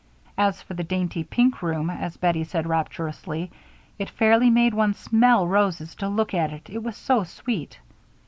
As for the dainty pink room, as Bettie said rapturously, it fairly made one smell roses to look at it, it was so sweet.